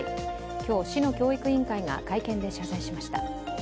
今日、市の教育委員会が会見で謝罪しました。